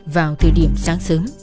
vào thời điểm sáng sớm